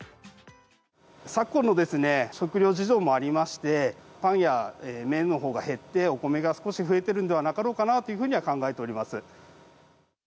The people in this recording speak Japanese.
昨今の食糧事情もありまして、パンや麺のほうが減って、お米が少し増えてるんではなかろうかなというふうに考えておりま